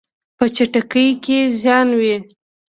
په چټکۍ کې زیان وي.